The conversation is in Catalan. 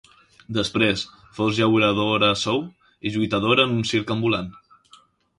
Després fou llaurador a sou i lluitador en un circ ambulant.